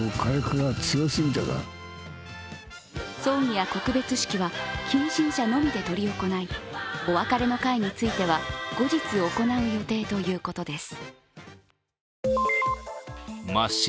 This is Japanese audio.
葬儀や告別式は近親者のみで執り行いお別れの会については後日行う予定ということです。